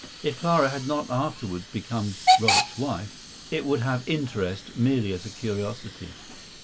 If Clara had not afterward become Robert's wife, it would have interest merely as a curiosity.